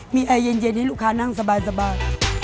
มีแอร์เย็นให้ลูกค้านั่งสบาย